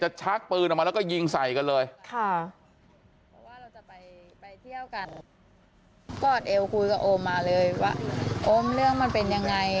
จะชักปืนออกมาแล้วก็ยิงใส่กันเลย